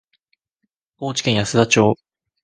高知県安田町